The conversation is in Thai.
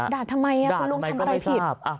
ด่าทำไมครับคุณลุงทำอะไรผิดด่าทำไมก็ไม่ทราบ